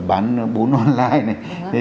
bán bún online này